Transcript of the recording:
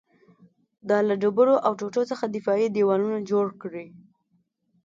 دا له ډبرو او ټوټو څخه دفاعي دېوالونه جوړ کړي